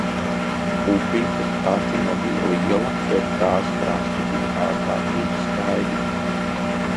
Upīte pati nebija liela, bet tās krasti bija ārkārtīgi staigni.